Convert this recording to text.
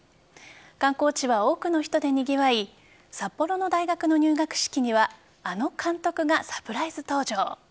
観光地は多くの人でにぎわい札幌の大学の入学式にはあの監督がサプライズ登場。